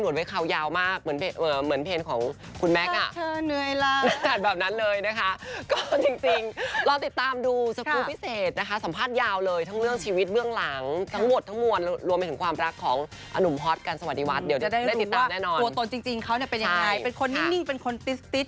จะได้รู้ว่าหัวตนจริงเขาเป็นยังไงเป็นคนนิ่งเป็นคนติ๊ด